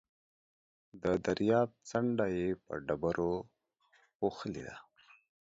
د درياب څنډه يې په ډبرو پوښلې ده.